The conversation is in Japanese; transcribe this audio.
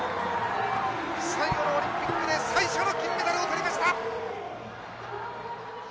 最後のオリンピックで最初の金メダルを取りました。